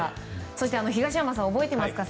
そして東山さん覚えていますか。